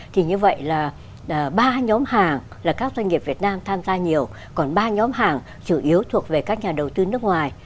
thì như vậy là ba nhóm hàng là các doanh nghiệp việt nam tham gia nhiều còn ba nhóm hàng chủ yếu thuộc về các nhà đầu tư nước ngoài